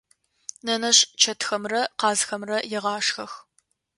Нэнэжъ чэтхэмрэ къазхэмрэ егъашхэх.